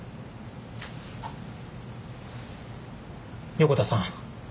横田さん。